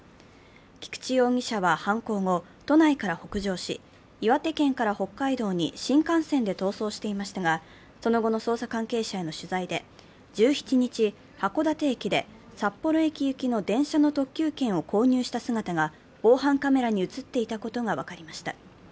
菊池容疑者は犯行後都内から北上し岩手県から北海道に新幹線で逃走していましたが、その後の捜査関係者への取材で、１７日、函館駅で札幌駅行きの電車の特急券を購入した姿が防犯カメラに映っていたことが分かりました。